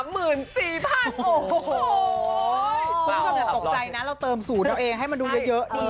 ไม่ตกใจนะเราเติมสูตรเราเองให้มันดูเยอะดี